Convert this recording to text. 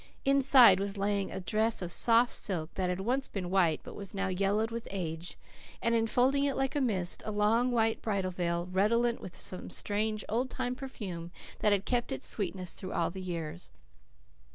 Inside was lying a dress of soft silk, that had once been white but was now yellowed with age, and, enfolding it like a mist, a long, white bridal veil, redolent with some strange, old time perfume that had kept its sweetness through all the years.